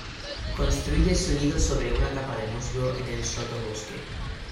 Construye su nido sobre una capa de musgo en el sotobosque.